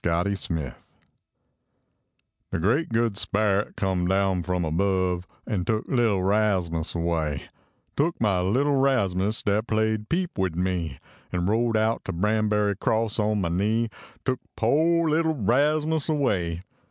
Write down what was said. LITTLE RASMUS De Great Good Speret come down from above An took little Rasmus away ; Took my leetle Rasmus dat played peep wid me. En rode out to Banbury Cross on my knee, Took po leetle Rasmus away.